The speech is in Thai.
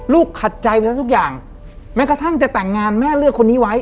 ขัดใจไปแล้วทุกอย่างแม้กระทั่งจะแต่งงานแม่เลือกคนนี้ไว้